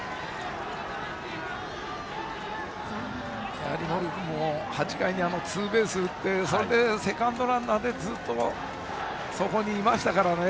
やはり茂呂君も８回にツーベースを打ってそれでセカンドランナーでずっとそこにいましたからね。